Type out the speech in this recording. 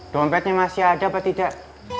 dompetnya masih ada apa tidak